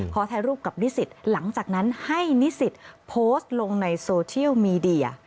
ขอถ่ายรูปกับนิสิตหลังจากนั้นให้นิสิตโพสต์ลงในโซเชียลมีเดีย